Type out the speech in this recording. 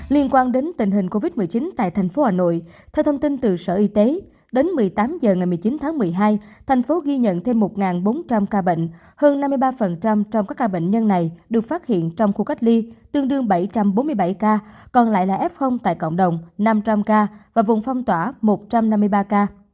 liên quan đến tình hình covid một mươi chín tại thành phố hà nội theo thông tin từ sở y tế đến một mươi tám h ngày một mươi chín tháng một mươi hai thành phố ghi nhận thêm một bốn trăm linh ca bệnh hơn năm mươi ba trong các ca bệnh nhân này được phát hiện trong khu cách ly tương đương bảy trăm bốn mươi bảy ca còn lại là f tại cộng đồng năm trăm linh ca và vùng phong tỏa một trăm năm mươi ba ca